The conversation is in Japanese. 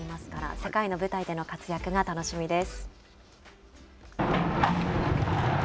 世界の舞台での活躍が楽しみです。